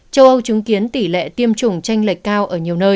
châu âu chứng kiến tỷ lệ tiêm chủng tranh lệch cao ở nhiều nơi